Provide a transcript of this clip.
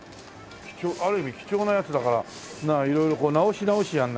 ある意味貴重なやつだから色々こう直し直しやんないと。